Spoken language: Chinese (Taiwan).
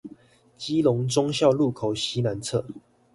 基隆忠孝路口西南側